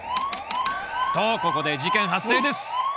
とここで事件発生です